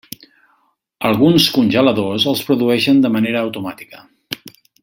Alguns congeladors els produeixen de manera automàtica.